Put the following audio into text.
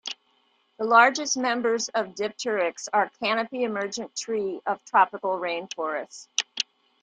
The largest members of "Dipteryx" are canopy-emergent tree of tropical rainforests.